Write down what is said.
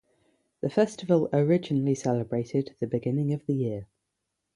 The festival originally celebrated the beginning of the year.